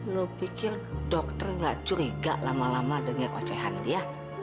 lu pikir dokter gak curiga lama lama dengar ocehan dia